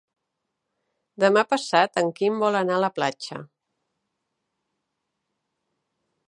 Demà passat en Quim vol anar a la platja.